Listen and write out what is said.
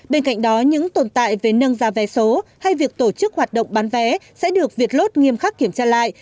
bên cạnh đó những tồn tại về nâng ra vé số hay việc tổ chức hoạt động bán vé sẽ được việt lốt nghiêm khắc kiểm tra lại